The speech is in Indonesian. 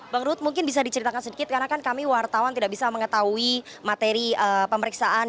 bang ruth mungkin bisa diceritakan sedikit karena kan kami wartawan tidak bisa mengetahui materi pemeriksaan